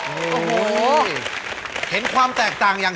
หมวกปีกดีกว่าหมวกปีกดีกว่า